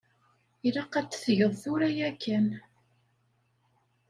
Ilaq ad t-tgeḍ tura yakan.